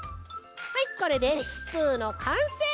はいこれでスプーンのかんせい！